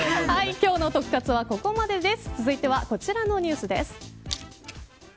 今日のトク活はここまでです。